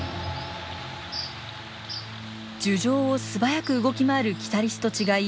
樹上を素早く動き回るキタリスと違い